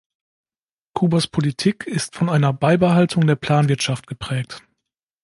Kubas Politik ist von einer Beibehaltung der Planwirtschaft geprägt.